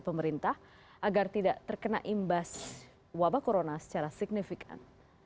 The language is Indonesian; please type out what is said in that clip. pemerintah agar tidak terkena imbas wabah corona secara signifikan